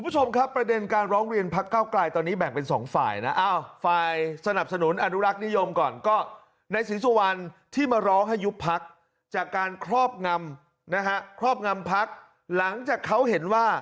จากการครอบงำนะครับครอบงำพักหลังจากเขาเห็นว่า